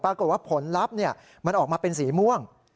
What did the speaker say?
ผลลัพธ์มันออกมาเป็นสีม่วง